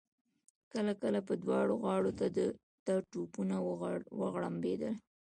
کله کله به دواړو غاړو ته توپونه وغړمبېدل.